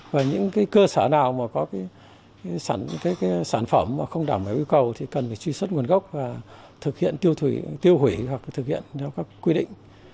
và những cơ sở nào mà có sản phẩm không đảm bảo yêu cầu thì cần phải truy xuất nguồn gốc và thực hiện tiêu hủy hoặc thực hiện theo các quy định